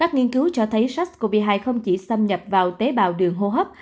các nghiên cứu cho thấy sars cov hai không chỉ xâm nhập vào tế bào đường hô hấp